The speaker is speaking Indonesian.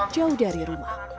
jauh dari rumah